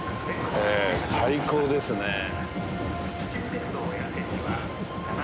ええ最高ですね。